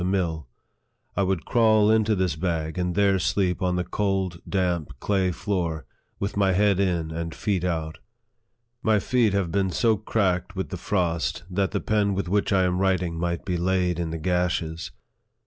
the mill. I would crawl into this bag, and there sleep on the cold, damp, clay floor, with my head in and feet out. My feet have been so cracked with the frost, that the pen with which I am writing might be laid in the gashes.